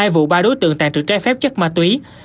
hai vụ ba đối tượng tàn trự trái phép chất ma túy